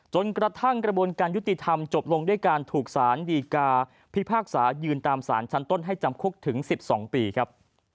จนกระทั่งกระบวนการยุติธรรมจบลงด้วยการถูกสารดีกาพิพากษายืนตามสารชั้นต้นให้จำคุกถึง๑๒ปีครับ